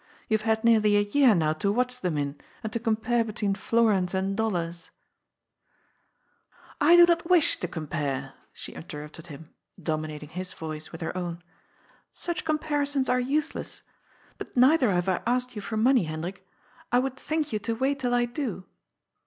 You have had nearly a year now to watch them in, and to compare be tween florins and dollars !"^^ I do not wish to compare,'* she interrupted him, domi nating his voice with her own. ^'Such comparisons are useless. But neither have I asked you for money, Hendrik. I would thank you to wait till I do."